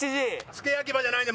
付け焼き刃じゃないんで。